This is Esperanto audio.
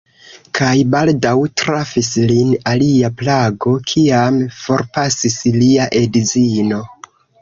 Kaj baldaŭ trafis lin alia plago, kiam forpasis lia edzino.